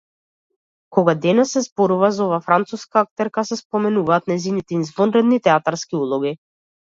Кога денес се зборува за оваа француска актерка, се спомнуваат нејзините извонредни театарски улоги.